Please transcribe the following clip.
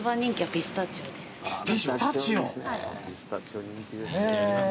ピスタチオ人気ですね。